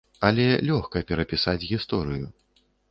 Але лёгка перапісаць гісторыю.